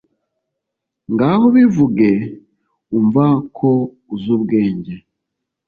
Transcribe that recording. ngaho bivuge, umva ko uzi ubwenge